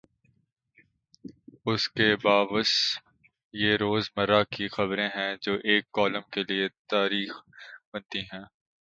اس کے باوصف یہ روز مرہ کی خبریں ہیں جو ایک کالم کے لیے تحریک بنتی ہیں۔